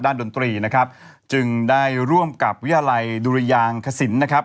ดนตรีนะครับจึงได้ร่วมกับวิทยาลัยดุรยางขสินนะครับ